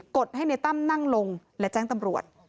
ดให้ในตั้มนั่งลงและแจ้งตำรวจ